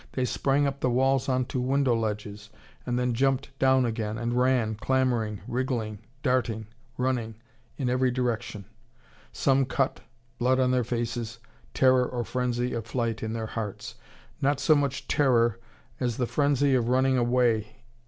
They sprang up the walls on to window ledges, and then jumped down again, and ran clambering, wriggling, darting, running in every direction; some cut, blood on their faces, terror or frenzy of flight in their hearts. Not so much terror as the frenzy of running away.